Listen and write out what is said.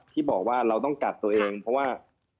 ที่บอกว่าเราต้องกักตัวเองเพราะว่า